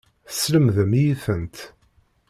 Teslemdem-iyi-tent.